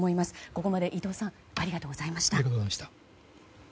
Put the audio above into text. ここまで伊藤さんありがとうございました。